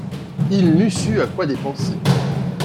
Il n'eût su à quoi dépenser.